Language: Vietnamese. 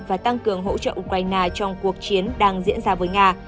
và tăng cường hỗ trợ ukraine trong cuộc chiến đang diễn ra với nga